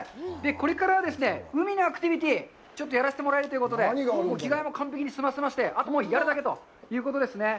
これからは海のアクティビティ、ちょっとやらせてもらえるということで、着替えも完璧に済ませまして、あと、もうやるだけということですね。